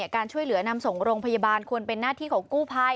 การช่วยเหลือนำส่งโรงพยาบาลควรเป็นหน้าที่ของกู้ภัย